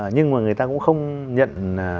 nhưng mà người ta cũng không nhận